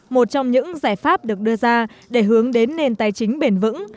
một trong những giải pháp được đưa ra để hướng đến nền tài chính bền vững